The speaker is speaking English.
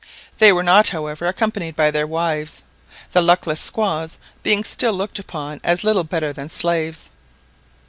They were not, however, accompanied by their wives, the luckless squaws being still looked upon as little better than slaves.